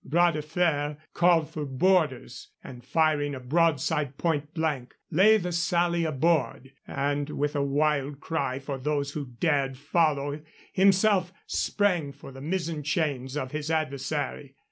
Bras de Fer called for boarders, and, firing a broadside pointblank, lay the Sally aboard, and with a wild cry for those who dared follow, himself sprang for the mizzen chains of his adversary.